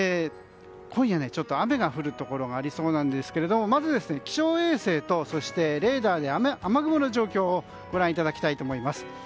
今夜雨が降るところがありそうなんですけどまず、気象衛星とレーダーで雨雲の状況をご覧いただきたいと思います。